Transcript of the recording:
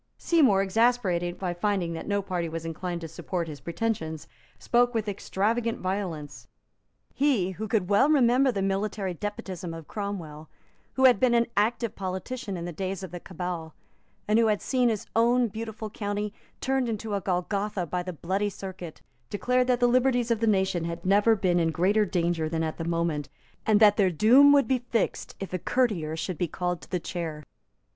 Seymour, exasperated by finding that no party was inclined to support his pretensions, spoke with extravagant violence. He who could well remember the military despotism of Cromwell, who had been an active politician in the days of the Cabal, and who had seen his own beautiful county turned into a Golgotha by the Bloody Circuit, declared that the liberties of the nation had never been in greater danger than at that moment, and that their doom would be fixed if a courtier should be called to the chair.